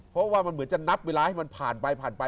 เพราะว่ามันเหมือนจะนับเวลาให้มันผ่านไปผ่านไป